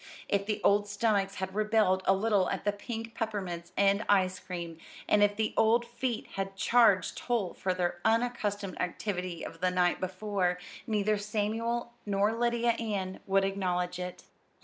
If the old stomachs had rebelled a little at the pink peppermints and ice cream, and if the old feet had charged toll for their unaccustomed activity of the night before, neither Samuel nor Lydia Ann would acknowledge it.